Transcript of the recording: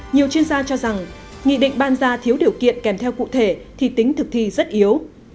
nhiều chuyên gia cho rằng nghị định ban ra thiếu điều kiện kèm theo cụ thể thì tính thực thi rất yếu